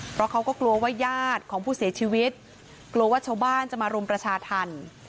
เพราะเขาก็กลัวว่าญาติของผู้เสียชีวิตกลัวว่าชาวบ้านจะมารุมประชาธรรม